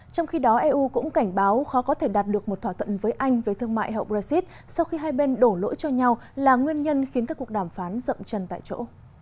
trong khi đó eu cũng cảnh báo khó có thể đạt được một thỏa thuận với anh về thương mại hậu brexit sau khi hai bên đổ lỗi cho nhau là nguyên nhân khiến các cuộc đàm phán rậm chân tại chỗ